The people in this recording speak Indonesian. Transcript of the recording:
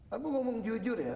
aku ngomong jujur ya